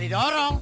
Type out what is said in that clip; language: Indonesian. ya udah kang